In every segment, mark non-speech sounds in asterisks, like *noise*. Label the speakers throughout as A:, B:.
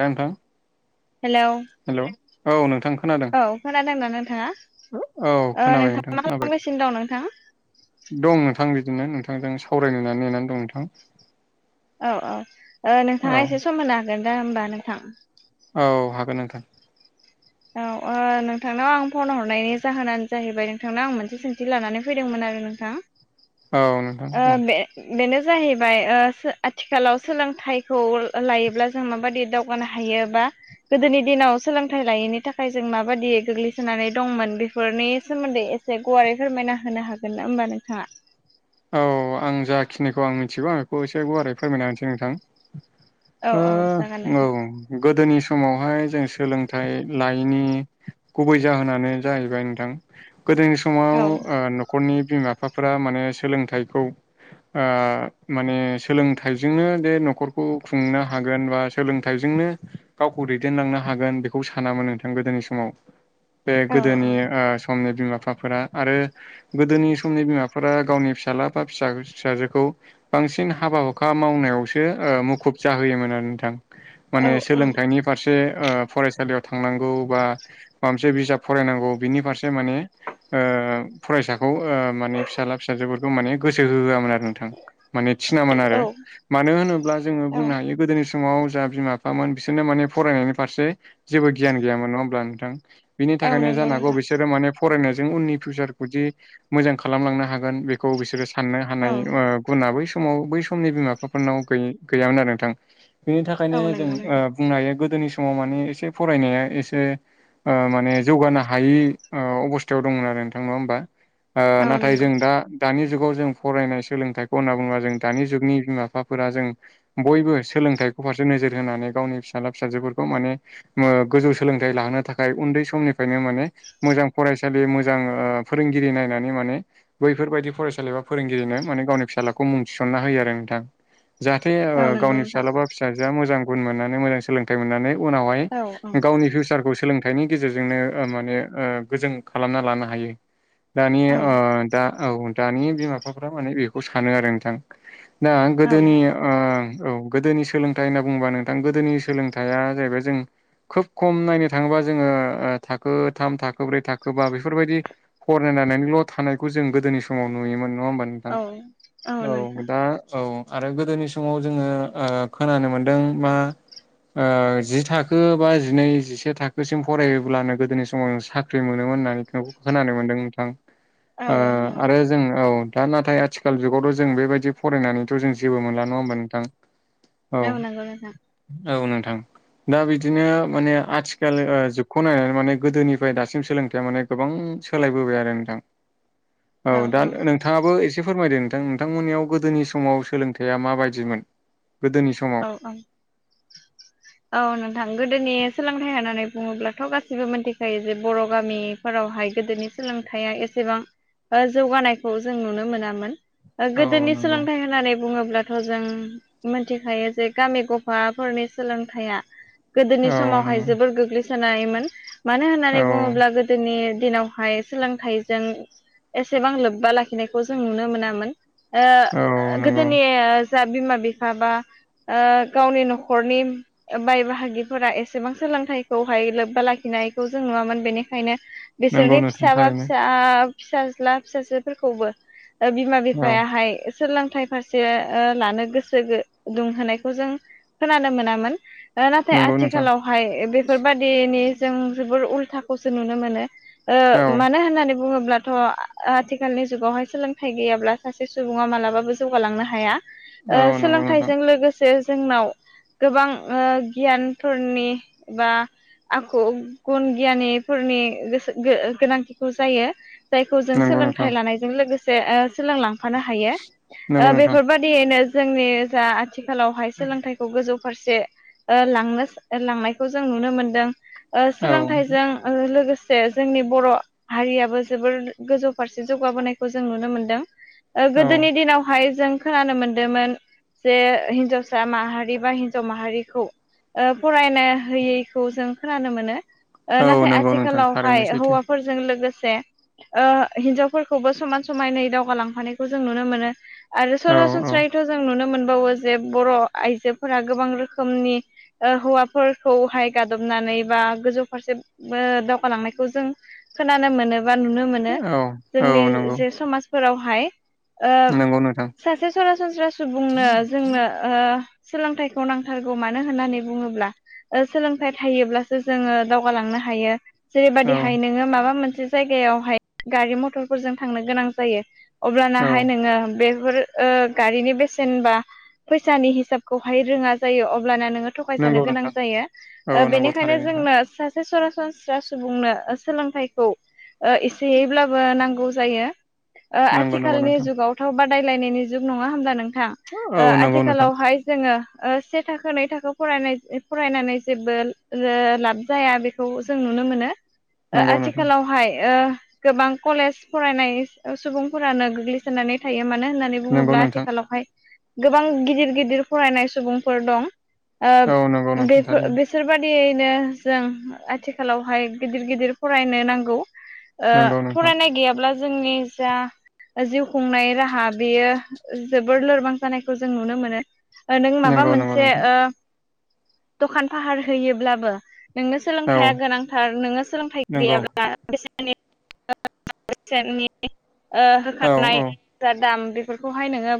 A: हा नोंथां
B: hello
A: hello औ नोंथां खोनादों
B: औ खोनादोंना नोंथांङा
A: औ
B: ओ
A: खोनाबाय नोंथां
B: नोंथाङा मा
A: खोनाबाय
B: खालामगासिनो दं नोंथां
A: दं नोंथां बिदिनो नोंथांजों सावरायनोनानै नेनानै दं नोंथां
B: औ औ ओ
A: औ
B: नोंथाङा एसे सम होनो हागोन दा होमबा नोंथां?
A: औ हागोन नोंथां।
B: औ ओ नोंथांनाव आं फन हरनायनि जाहोनानो जाहैबाय नोंथांनाव आं मोनसे सोंथि लानानै फैदोंमोन। नोंथां।
A: औ नोंथां
B: ओ
A: बुं।
B: बे बेनो जाहैबाय ओ आथिखालाव सोलोंथाइखौ लायोब्ला जों माबायदि दावगानो हायो? योबा गोदोनि दिनाव सोलोंथाइ लायैनि नि थाखाय जों माबायि गोग्लैसोनानै दंमोन बेफोरनि सोमोन्दै एसे गुवारै फोरमायना होनो हागोन ना? होमबा नोंथाङा
A: औ आं जाखिनिखौ आं मिथिगौ आं बेखौ एसे गुवारै फोरमायना होनोसै नोंथां।
B: औ
A: ओ
B: औ जागोन नोंथां
A: औ गोदोनि सम समावहाय जों सोलोंथाइ लायैनि गुबै जाहोनानो जाहैबाय नोंथां गोदोनि समाव
B: औ
A: न'खरनि बिमा बिफाफोरा माने सोलोंथाइखौ ओ माने सोलोंथाइजोंनो बे न'खरखौ खुंनो हागोन बा सोलोंथाइजों नो गावखौ दैदेनलांनो हागोन बेखौ सानामोन नोंथां गोदोनि समाव। बे
B: औ औ
A: गोदोनि ओ समनि बिमा बिफाफोरा आरो गोदोनि समनि बिमाफोरा गावनि फिसाला बा फिसा फिसाजोखौ बांसिन हाबा हुखा मावनायावसो ओ मुखुब जाहोयोमोन। नोंथां
B: औ
A: माने सोलोंथाइनि फारसे ओ फरायसालियाव थांनांगौ बा माबा मोनसे बिजाब फरायनांगौ बिनि फारसे माने ओ ओ फरायसाखौ ओ माने फिसाला फिसाजोफोरखौ माने गोसो हो होआमोन आरो। नोंथां माने थिनामोन आरो
B: औ
A: मानो होनोब्ला जोङो
B: औ
A: बुंनो हायो गोदोनि सम समाव जा बिमा बिफामोन बिसोरनो माने फरायनायनि फारसे जेबो गियान गैयामोन नङा होमब्ला नोंथां? बिनि
B: औ
A: थाखायनो
B: नंगौ
A: जानो हागौ
B: नोंथां
A: बिसोरो माने फरायनायजों उननि फिउसारखौ दि मोजां खालामलांनो हागोन बे खौ बिसोरो साननो
B: औ
A: हानाय गुनाबो समाव बै समनि बिमा बिफाफोरनाव गै गैयामोन आरो नोंथां बेनि
B: औ
A: थाखायनो जों
B: नंगौ
A: ओ
B: नोंथां
A: बुंनो हायो गो गोदोनि समाव माने एसे फरायनाया एसे ओ माने जौगानो हायि ओ अबस्थायाव दंमोन आरो नोंथां नङा होमबा? ओ
B: औ
A: नाथाय
B: नंगौ
A: जों दा दानि जुगाव जों फरायनाय सोलोंथाइखौ होनना बुङोबा जों दानि जुगनि बिमा बिफाफोरा जों बयबो सोंलों सोलोंथाइ फारसे नोजोर होनानै गावनि फिसाला फिसाजोफोरखौ माने ओ गोजौ सोलोंथाइ लाहोननो थाखाय उन्दै सम समनिफ्रायनो माने मोजां फरायसालि मोजां ओ फोरोंगिरि नायनानै माने बैफोरबायदि फरायसालि एबा फोरोंगिरिनो माने गावनि फिसालाखौ मुं थिसनना होयो आरो नोंथां। जाहाथे ओ
B: औ नंगौ
A: गावनि
B: नोंथां
A: फिसाला बा फिसाजोआ मोजां गुन मोननानै मोजां सोलोंथाइ मोननानै उनावहाय
B: औ औ
A: गावनि फिउचारखौ सोलों थाइनि गेजेरजोंनो ओ माने ओ गोजों खालामना लानो हायो। दानि
B: औ
A: ओ दा औ दानि बिमा बिफाफ्रा माने बेखौ सानो आरो नोंथां। दा
B: औ
A: गोदोनि आ औ गोदोनि सोलोंथाइ होनना बुंङोबा नोंथां गोदोनि सोलोंथाइआ जाहैबाय जों खोब खम नायनो थाङोबा जोङो ओ थाखो थाम थाखो ब्रै थाखो बा बेफोरबायदि फराय नानैल' थानायखौ जों गोदोनि समाव नुयोमोन नङा होमबा नोंथां
B: औ
A: औ दा औ आरो गोदोनि समाव जोङो ओ खोनानो मोनदों मा ओ जि थाखो बा जिनै जिसे थाखोसिम फरायोब्लानो गोदोनि समाव साख्रि मोनोमोन होननायखौ खोनानो मोनदों नोंथां।
B: औ
A: ओ
B: उ।
A: आरो जों औ दा नाथाय आथिखाल जुगावथ' जों बेबायदि फरायनानैथ' जों जेबो मोनला नङा होमबा नोंथां?
B: औ नंगौ नोंथां।
A: औ नोंथां। दा बिदिनो माने आथिखाल ओ जुगखौ नायनानै माने गोदोनिफ्राय दासिम सोलोंथाइया माने गोबां सोलायबोबाय आरो नोंथां औ दा नोंथाङाबो एसे फोरमायदो ओं नोंथांमोननियाव गोदोनि समाव सोलोंथाइया माबायदिमोन गोदोनि समाव?
B: औ औ औ नोंथां गोदोनि सोलोंथाइ होननानै बुङोब्लाथ' गासिबो मोनथिखायो जे बर' गामिफोराव हाय गोदोनि सोलोंथाइया एसेबां ओ जौगानायखौ जों नुनो मोनामोन। ओ
A: औ
B: गोदोनि
A: नंगौ
B: सोलोंथाइ होननानै बुङोब्लाथ' जों मोनथिखायो जे गामि गफाफोरनि सोलोंथाइया गोदोनि
A: औ
B: समावहाय
A: नंगौ
B: जोबोर गोग्लैसोनायमोन मानो होननानै
A: औ
B: बुङोब्ला गोदोनि दिनावहाय सोलोंथाइजों एसेबां लोब्बा लाखिनायखौ जों नुनो मोनामोन।
A: औ
B: ओ-ओ
A: नंगौ
B: गोदोनि ओ फोरा बिमा-बिफा बा ओ गावनि न'खरनि ओ बाय बाहागिफोरा एसेबां सोलोंथाइखौहाय लोब्बा लाखिनायखौ जों नुवामोन बेनिखायनो
A: नंगौ
B: बिसोरनि
A: नोंथां
B: फिसाबा
A: थारैनो
B: फिसा-फिसाज्ला फिसाजोफोरखौबो ओ बिमा
A: औ
B: बिफायाहाय सोलोंथाइ फारसे ओ लानो गोसो दुंहोनायखौ जों खोनानो मोनामोन। ओ नाथाय
A: नंगौ नोंथां
B: आथिखालावहाय बेफोरबायदिनि जों जोबोर उल्थाखौसो नुनो मोनो। ओ
A: औ
B: मानो होननानै बुङोब्लाथ' आ-आथिखालनि जुगावहाय सोलोंथाइ गैयाब्ला सासे सुबुङा मालाबाबो जौगालांनो हाया। ओ
A: नंगौ नोंथां
B: सोलोंथाइजों लोगोसे जोंनाव गोबां ओ गियानफोरनि एबा आखु गुन गियानिफोरनि गोसो-गो-गोनांथिखौ जायो। जायखौ जों
A: नंगौ नोंथां
B: सोलोंथाइ लानायजों लोगोसे ओ सोलोंलां फानो हायो
A: नंगौ
B: ओ
A: नोंथां
B: बेफोरबायदियैनो जोंनि जा आथिखालावहाय सोलोंथाइखौ गोजौ फारसे ओ लांनो ओ लांनायखौ जों नुनो मोनदों। ओ
A: औ
B: सोलोंथाइजों ओ लोगोसे से जोंनि बर' हारियाबो जोबोर गोजौ फारसे जौगाबोनायखौ जों नुनो मोनदों। ओ
A: औ
B: गोदोनि दिनावहाय जों खोनानो मोनदोंमोन जे हिनजावसा माहारि बा हिनजाव माहारि खौ ओ फरायनो होयैखौ जों खोनानो मोनो। ओ
A: औ
B: नाथाय
A: नंगौ नोंथां
B: आथिखालावहाय
A: थारैनो सैथो
B: हौवाफोरजों लोगोसे से ओ हिनजावफोरखौबो समान समानै दावगालांफानायखौ जों नुनो मोनो। आरो
A: औ औ
B: सरासनस्रायैथ' जों नुनो मोनबावो जे बर' आइजोफोरा गोबां रोख खोमनि ओ हौवाफोरखौहाय गादबनानै बा गोजौ फारसे ओ दावगालांना खौ जों खोनानो मोनो बा नुनो मोनो
A: औ औ
B: जोंनि
A: नंगौ
B: जे समाजफोरावहाय। ओ
A: नंगौ नोंथां
B: सासे सरासनस्रा सुबुंनो जोंनो ओ सोलोंथाइखौ नां थारगौ मानो होननानै बुङोब्ला ओ सोलोंथाइ थायोब्लासो जोङो दावगालांनो हायो।
A: औ
B: जेरैबायदिहाय नोङो माबा मोनसे जायगायावहाय गारि मटरफोरजों थांनो गोनां जायो।
A: औ
B: अब्लानाहाय नोङो बे फोर ओ गारिनि बेसेन बा फैसानि हिसाबखौहाय रोङा जायो अब्लाना नों ङो
A: नंगौ
B: थगायजानो गोनां
A: नोंथां
B: जायो
A: औ
B: ओ
A: नंगौ
B: बेनिखायनो
A: थारैनो नोंथां
B: जोंनो सास से सरासनस्रा सुबुंनो ओ सोलोंथाइखौ। ओ एसेयैब्लाबो नांगौ जायो। ओ
A: नंगौ नंगौ
B: आथिखालनि
A: नोंथां
B: जुगावथ' बादायलायनायनि जुग नङा होमबा नों थां
A: औ
B: ओ
A: नंगौ नोंथां
B: आथिखालावहाय जोङो। ओ से थाखो नै थाखो फरायनाय फरायनानै जेबो ले लाब जाया बेखौ जों नुनो नुनो मोनो ओ
A: नंगौ नोंथां
B: आथिखालावहाय ओ गोबां कलेज फरायनाय सुबुंफोरानो गोग्लैसोनानै थायो मा नो होननानै
A: नंगौ
B: बुङोब्ला
A: नोंथां
B: आथिखालावहाय गोबां गिदिर गिदिर फरायनाय सुबुंफोर दं।
A: औ नंगौ
B: ओ
A: नोंथां
B: बेफोर
A: थारैनो
B: बेसोरबा दियैनो जों आथिखालावहाय गिदिर-गिदिर फरायनो नांगौ। ओ
A: नंगौ नोंथां
B: फरायनाय गैयाब्ला जोंनि जा जिउ खुंनाय राहा बेयो जोबोर लोरबां जानायखौ जों नुनो मोनो नों माबा
A: नंगौ नंगौ
B: मोनसे
A: नोंथां
B: ओ दखान फाहार होयोब्लाबो नोंनो
A: औ
B: सोलोंथाइया गोनांथार नोङो सोलोंथाइ
A: नंगौ
B: गैयाब्ला *unintelligible* बेसेनि ओ
A: औ
B: होखनाय
A: औ
B: दाम फोरखौहाय नोङो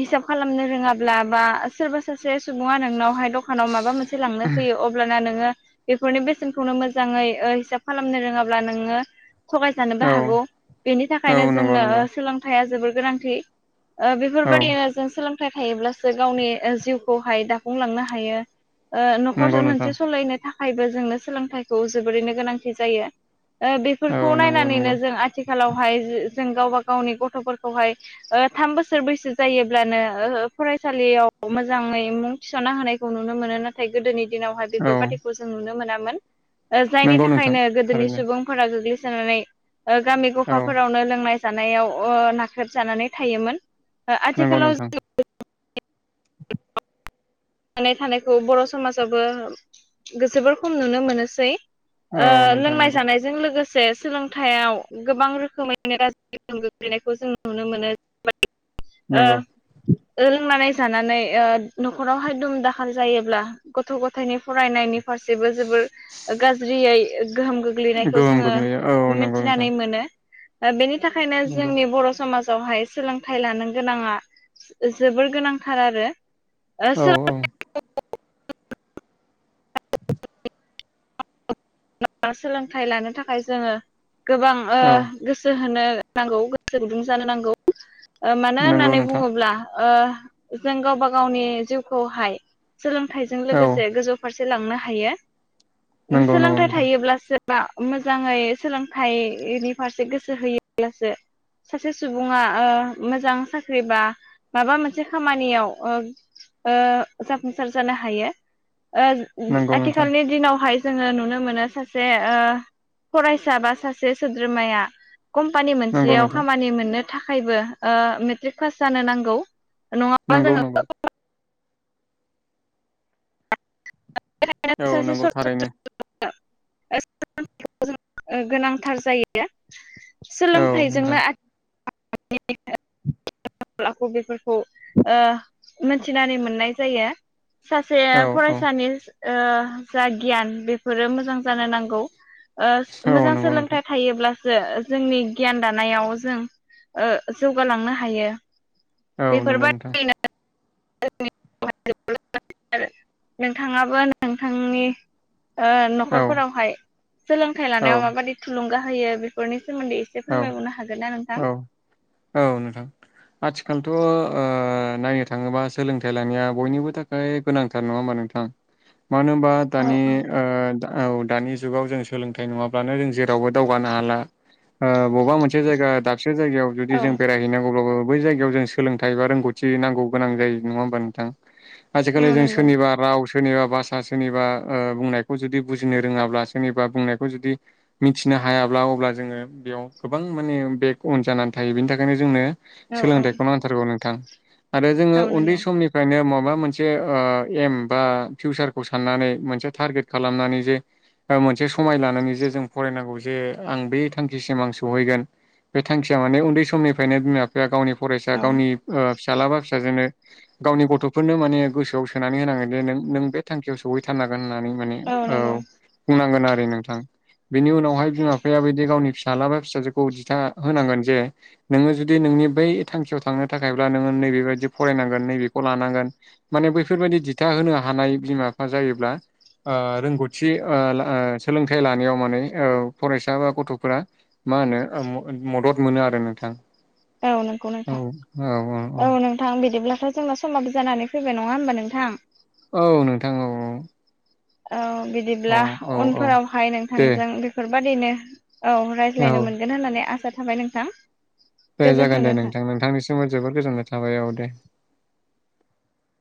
B: हिसाब खालामनो रोङाब्ला बा सोरबा सासे सुबुङा नोंनावहाय दखानाव माबा मोनसे लांनो फैयो अब्लाना नोङो बेफोरनि बेसेनखौनो मोजाङै हिसाब खालामनो रोङाब्ला नोङो थगायजानोबो
A: औ
B: हागौ बेनि
A: औ
B: थाखायनो
A: नंगौ
B: जोंनो
A: नंगौ
B: सोलोंथाइया जोबोर गोनांथि। ओ
A: औ
B: बेफोरबादिनो जों सोलोंथाइ थायोब्लासो गावनि जिउखौहाय दाफुंलांनो हायो। ओ
A: नंगौ
B: न'खर
A: नोंथां
B: मोनसे सलायनो थाखायबो जोंनो सोलोंथाइखौ जोबोरैनो गोनांथि जायो। ओ बेफोरखौ
A: औ नंगौ
B: नायनानैनो
A: नंगौ
B: जों आथि खालावहाय जों गावबा गावनि गथ'फोरखौहाय ओ थाम बोसोर बैसो जायोब्लानो ओ फरायसालियाव मोजां मोजाङै मुं थिसनना होनायखौ नुनो मोनो नाथाय गोदोनि दिनावहाय
A: औ
B: बेफोरबायाददिखौ जों नुनो मोनामोन। ओ जायनि
A: नंगौ नोंथां
B: थाखायनो गोदोनि
A: थारैनो
B: सुबुंफोरा गोग्लैसोनानै ओ गामि
A: औ
B: गफाफोरावनो लोंनाय जानायाव ओ नाख्रेबजानानै थायोमोन ओ
A: नंगौ
B: आथिखालाव
A: नोंथां
B: जानाय थानायखौ बर' समाजाबो जोबोर खम नुनो मोनोसै। ओ
A: औ नोंथां
B: लोंनाय
A: नंगौ
B: जानायजों लोगो से सोलोंथायाइयाव गोबां रोखोमैनो गाज्रि गोहोम गोग्लैनायखौ जों नुनो मोनो। ओ
A: नंगौ
B: लोंनानै जानानै ओ न'खराव हाय दुम दाहाल जायोब्ला गथ' गथायनि फरायनायनि फारसेबो जोबोर गाज्रियै गोहोम गोग्लैनायखौ
A: गोहोम
B: जोङो
A: गोग्लैयो औ नंगौ
B: मिथिनानै
A: नोंथां
B: मोनो। ओ बेनि थाखायनो
A: नंगौ
B: जोंनि बर' समाज आवहाय सोलोंथाइ लानो गोनाङा जोबोर गोनांथार आरो। ओ
A: औ
B: सोलों
A: औ *inaudible*
B: *unintelligible* सोलोंथाइ लानो थाखाय जोङो गोबां ओ
A: औ
B: गोसो होनो नांगौ गोसो गुदुं जानो नांगौ। ओ मानो
A: नंगौ
B: होननानै
A: नोंथां
B: बुङोब्ला ओ जों गावबा गावनि जिउखौहाय सोलोंथाइजों
A: औ
B: लोगोसे गोजौ फारसे लांनो हायो
A: नंगौ नंगौ
B: सोलोंथाइ
A: नोंथां
B: थायोब्लासो बा मोजाङै सोलोंथाइनि फारसे गोसो होयोब्लासो सासे सुबुङा ओ मोजां साख्रि बा माबा मोनसे खामानियाव ओ ओ जाफुंसार जानो हायो ओ
A: नंगौ नोंथां
B: आथिखालनि दिनावहाय जोङो नुनो मोनो सासे ओ फरायसा बा सासे सोद्रोमाया कम्पानि
A: नंगौ
B: मोनसेयाव
A: नोंथां
B: खामानि मोननो थाखायबो ओ मेट्रिक पास जानो नांगौ। नङाब्ला
A: नंगौ
B: जोङो
A: नंगौ
B: *unintelligible*
A: औ नंगौ थारैनो
B: *unintelligible* गोनांथार जायो
A: औ नोंथां
B: सोलोंथाइजोंनो आथि *unintelligible* *unintelligible* आखु बेफोरखौ ओ मोनथिनानै मोननाय जायो। सासे
A: औ औ
B: फरायसानि ओ जा गियान बेफोरो मोजां जानो नांगौ ओ
A: औ
B: मोजां
A: नंगौ नोंथां
B: सोलोंथाइ थायोब्ला सो जोंनि गियान दानायाव जों ओ जौगालांनो हायो
A: औ नंगौ नोंथां
B: बेफोरबायदिनो *unintelligible* नोंथाङाबो नोंथांनि ओ
A: औ
B: न'खरफोरावहाय सोलोंथाइ
A: औ
B: लानायाव माबाददि थुलुंगा होयो बेफोरनि सोमोन्दै एसे
A: औ
B: फोरमायबावनो हागोन ना नोंथां?
A: औ औ नोंथां आथिखालथ' ओ नायनो थाङोबा सोलोंथाइ लानाया बयनिबो थाखाय गोनांथार नङा होमबा नोंथां? मानो होनबा
B: औ
A: दानि
B: औ
A: ओ दा औ दानि जुगाव जों सोलोंथाइ नङाब्लानो जों जे रावबो दावगानो हाला बबेबा मोनसे जायगा दाबसे जायगायाव जुदि जों बेरायहैनांगौब्लाबो बै जायगायाव जों सोलोंथाइ बा रोंगौथि नांगौ गोनां जायो नङा होमबा नोंथां। आजिखालि
B: औ
A: जों
B: नंगौ
A: सोरनिबा राव सोरनिबा भाषा सोरनिबा ओ बुंनायखौ जुदि बुजिनो रोङाब्ला सोरनिबा बुंनायखौ जुदि मिथिनो हायाब्ला अब्ला जोङो बेयाव गोबां माने बेग अन जानानै थायो बेनि थाखायनो जोंनो
B: औ औ
A: सोलोंथाइखौ नांथारगौ नोंथां। आरो जोङो
B: औ
A: उन्दै
B: नंगौ
A: समनिफ्रायनो मा माबा मोनसे ओ एम बा फिउचारखौ साननानै मोनसे टारगेट खालामनानै जे ओ मोनसे समाय लानानै जे जों फरायनांगौ जे आं बे थां थांखिसिम आं सौहैगोन बे थांखिया माने उन्दै समनिफ्रायनो बिमा बिफाया गावनि फरायसा
B: औ
A: गावनि ओ फिसाला बा फिसाजोनो गावनि गथ'फोरनो माने गोसोआव सोनानै होनांगोन जे नों-नों बे थांखियाव सौहैथारनांगोन होनानै माने औ बुंनांगोन आरो नोंथां बिनि उनावहाय बिमा बिफाया बिदि गावनि फिस फिसाजोखौ दिथा होनांगोन जे नोङो जुदि नोंनि बै थांखियाव थांनो थाखायब्ला नोङो नैबे बायदियाव फरायनांगोन नैबेखौ लानांगोन माने बैफोरबायदि दिथा होनो हानाय बिमा बिफा जायोब्ला ओ रोंगौथि ओ-ओ सोलोंथाइ लानायाव माने औ फरायसा बा गथ'फोरा मा होनो ओ म-मदद मोनो आरो नोंथां।
B: औ नंगौ
A: औ
B: नोंथां औ नोंथां बिदिब्ला ओमफ्राय जोंनाा समाबो जानानै फैबाय नङा होमबा नोंथां।
A: औ नोंथां औ औ।
B: औ
A: औ
B: बिदिब्ला
A: औ औ
B: उनफोरावहाय
A: दे
B: नोंथांजों बेफोरबायदिनो औ रायज्लायनो
A: औ
B: मोनगोन होननानै आसा थाबाय नोंथां।
A: दे जागोन दे नोंथां नोंथांनिसिमबो जोोबोर गोजोननाय थाबाय औ दे।